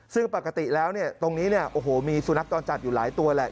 ซึ่งปกติแล้วตรงนี้โอ้โหมีสุนัขตอนจัดอยู่หลายตัวแหละ